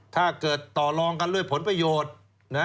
ถ้าเกิดต่อลองกันด้วยผลประโยชน์